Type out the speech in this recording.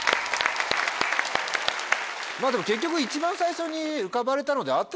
でも結局一番最初に浮かばれたので合ってた。